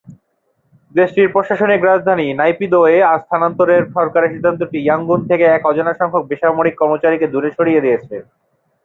দেশটির প্রশাসনিক রাজধানী নাইপিদোয় স্থানান্তরের সরকারের সিদ্ধান্তটি ইয়াঙ্গুন থেকে এক অজানা সংখ্যক বেসামরিক কর্মচারীকে দূরে সরিয়ে দিয়েছে।